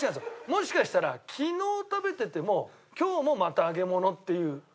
もしかしたら昨日食べてても今日もまた揚げ物っていう。